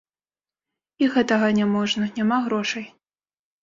І гэтага не можна, няма грошай.